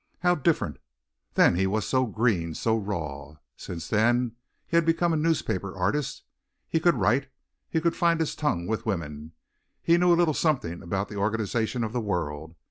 How different! Then he was so green, so raw. Since then he had become a newspaper artist, he could write, he could find his tongue with women, he knew a little something about the organization of the world.